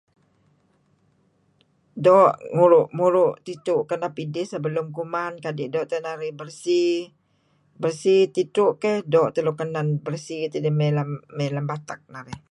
Doo' muru-muru- tidtu' kenep idih sebelum kuman. kadi' doo' teh narih beresi. Beresi tidtu' keyh doo' the nuk kenen beresi tidir mey lem batak narih.